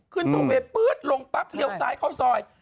ขึ้นโทเวปื๊ดลงปั๊บเรียวซ้ายเข้าซอย